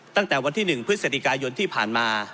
ตั้งแต่วันที่๑พฤศจิกายนที่ผ่านมา